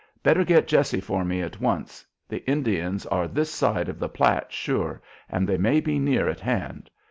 Better get Jessie for me at once. The Indians are this side of the Platte sure, and they may be near at hand.